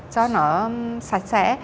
cho nó sạch sẽ